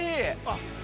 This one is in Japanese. あっ！